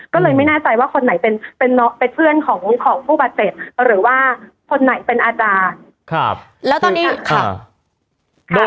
ก็เลยไม่แน่ใจว่าคนไหนเป็นเพื่อนของผู้ปเตศหรือว่าคนไหนเป็นอาจารย์